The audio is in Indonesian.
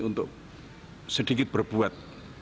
untuk sedikit berbuat